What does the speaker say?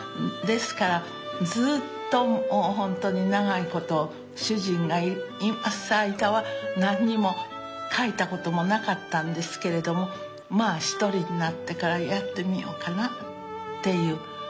ですからずっと本当に長いこと主人がいます間は何にも描いたこともなかったんですけれどもまあ一人になってからやってみようかなっていう